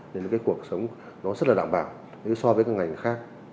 nên là cái cuộc sống nó rất là đảm bảo so với các ngành khác